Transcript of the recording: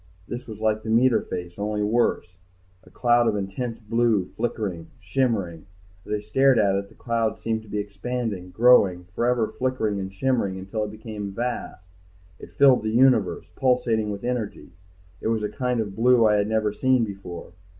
This was like the meter face, only worse. A cloud of intense blue, flickering, shimmering As I stared at it the cloud seemed to be expanding, growing, forever flickering and shimmering until it became vast, it filled the universe, pulsating with energy, it was a kind of blue I had never seen before....